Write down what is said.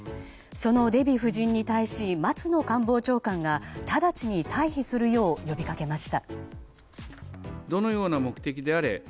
そのデヴィ夫人に対し松野官房長官が直ちに退避するよう呼びかけました。